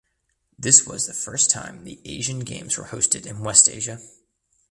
This was the first time the Asian Games were hosted in West Asia.